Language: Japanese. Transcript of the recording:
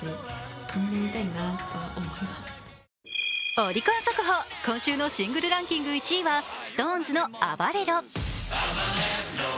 オリコン速報、今週のシングルランキング１位はＳｉｘＴＯＮＥＳの「ＡＢＡＲＥＲＯ」。